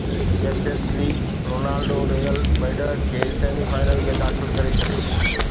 champions league Ronaldo Real Madrid کي semi final ۾ داخل ڪري ڇڏيو